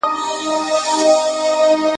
هغه څوک چي کتابتون ته راځي ارام اخلي،